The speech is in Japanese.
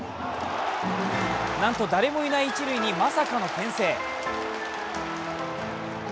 なんと、誰もいない一塁にまさかのけん制。